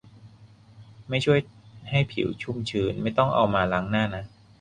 ไม่ช่วยให้ผิวชุ่มชื้น ไม่ต้องเอามาล้างหน้านะ